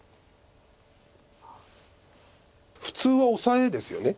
普通はオサエですよね。